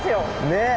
ねえ。